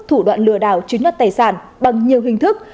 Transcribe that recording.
thủ đoạn lừa đảo chuyến nhuất tài sản bằng nhiều hình thức